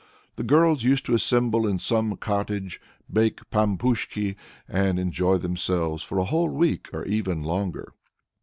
The girls used to assemble in some cottage, bake pampushki, and enjoy themselves for a whole week, or even longer.